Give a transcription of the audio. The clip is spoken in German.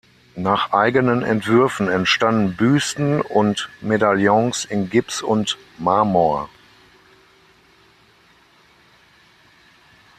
Nach eigenen Entwürfen entstanden Büsten und Medaillons in Gips und Marmor.